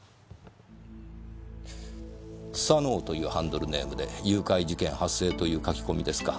須佐之男というハンドルネームで誘拐事件発生という書き込みですか。